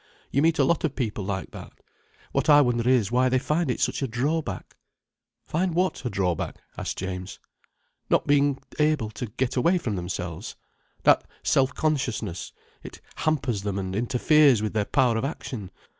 You meet a lot of people like that. What I wonder is why they find it such a drawback." "Find what a drawback?" asked James. "Not being able to get away from themselves. That self consciousness. It hampers them, and interferes with their power of action.